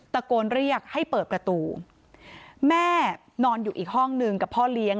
ตะโกนเรียกให้เปิดประตูแม่นอนอยู่อีกห้องหนึ่งกับพ่อเลี้ยง